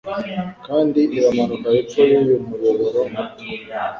kandi iramanuka hepfo yuyu muyoboro muto